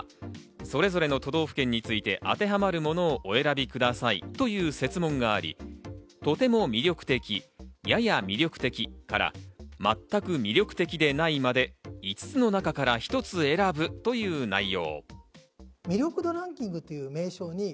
それぞれの都道府県について当てはまるものをお選びくださいという設問があり、とても魅力的、やや魅力的から全く魅力的でないまで、５つの中から１つ選ぶという内容。